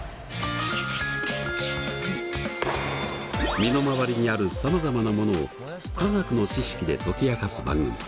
身の回りにあるさまざまなものを化学の知識で解き明かす番組。